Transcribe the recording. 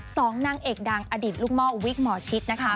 สองนางเอกดังอดีตลูกหม้อวิกหมอชิดนะคะ